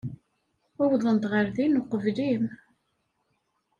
Uwḍent ɣer din uqbel-im.